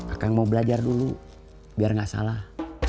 akang mau belajar dulu biar gak salah